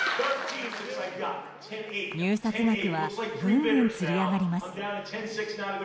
入札額はぐんぐんつり上がります。